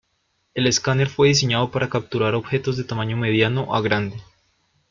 El escáner fue diseñado para capturar objetos de tamaño mediano a grande.